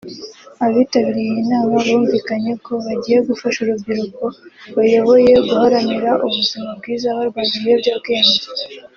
Abitabiriye iyi nama bumvikanye ko bagiye gufasha urubyiruko bayoboye guharanira ubuzima bwiza barwanya ibiyobyabwenge